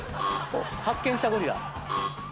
発見したゴリラ。